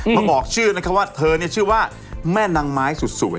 มาบอกชื่อเธอชื่อว่าแม่นางไม้สูดสวย